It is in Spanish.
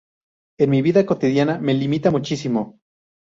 En mi vida cotidiana me limita muchísimo.